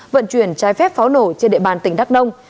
vận chuyển trái phép pháo nổ trên địa bàn tỉnh đắk nông